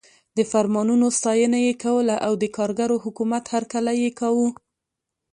د فرمانونو ستاینه یې کوله او د کارګرو حکومت هرکلی یې کاوه.